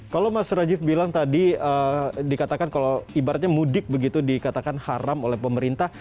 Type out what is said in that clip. kalau mas rajif bilang tadi dikatakan kalau ibaratnya mudik begitu dikatakan haram oleh pemerintah